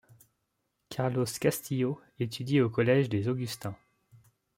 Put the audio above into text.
Carlos Castillo étudie au collège des Augustins.